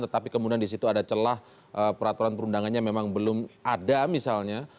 tetapi kemudian di situ ada celah peraturan perundangannya memang belum ada misalnya